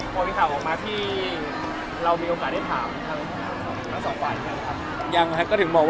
ผมมีข่าวออกมาที่เรามีโอกาสได้ถามทั้งสองคน